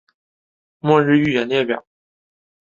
末日预言列表